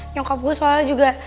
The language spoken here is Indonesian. nyokap gue soalnya juga